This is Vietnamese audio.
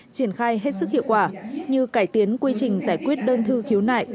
triển khai hết sức hiệu quả như cải tiến quy trình giải quyết đơn thư khiếu nại